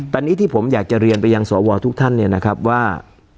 ตอนนี้ที่ผมอยากจะเรียนไปยังสวทุกท่านเนี่ยนะครับว่า